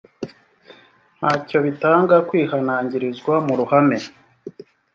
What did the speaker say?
ntacyo bitanga kwihanangirizwa mu ruhame